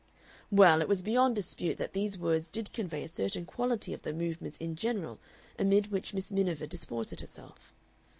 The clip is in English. Well, it was beyond dispute that these words did convey a certain quality of the Movements in general amid which Miss Miniver disported herself.